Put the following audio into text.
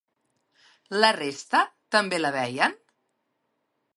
La resta també la veien?